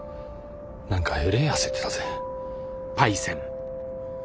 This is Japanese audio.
何かえれえ焦ってたぜ。